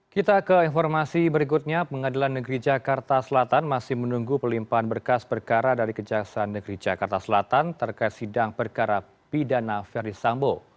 kita ke informasi berikutnya pengadilan negeri jakarta selatan masih menunggu pelimpan berkas perkara dari kejaksaan negeri jakarta selatan terkait sidang perkara pidana verdi sambo